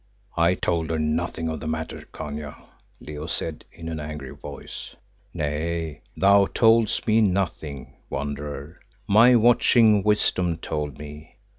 "I told her nothing of the matter, Khania," Leo said in an angry voice. "Nay, thou toldest me nothing, Wanderer; my watching wisdom told me.